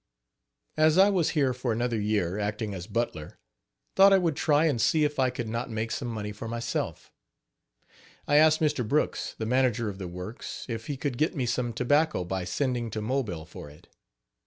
H2> As I was here for another year, acting as butler, thought I would try and see if I could not make some money for myself. I asked Mr. Brooks, the manager of the works, if he could get me some tobacco by sending to Mobile for it.